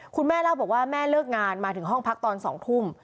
คุณแม่เล่าบอกว่าแม่เลิกงานมาถึงห้องพักตอน๒ทุ่ม